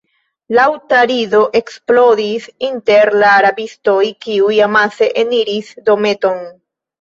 Laŭta rido eksplodis inter la rabistoj, kiuj amase eniris dometon.